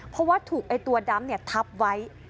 เพราะว่าถูกไอ้ตัวดำทับไว้